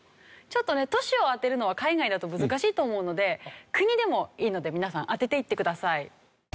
ちょっとね都市を当てるのは海外だと難しいと思うので国でもいいので皆さん当てていってください。